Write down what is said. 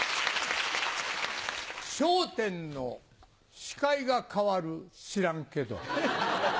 『笑点』の司会が変わる知らんけど。